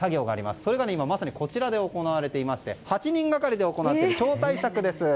それがまさにこちらで行われていまして８人がかりで行う超大作です。